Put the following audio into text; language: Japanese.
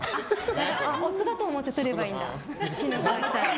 夫だと思って取ればいいんだ。